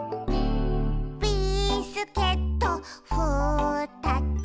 「ビスケットふたつ」